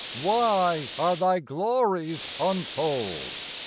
Why are thy glories untold?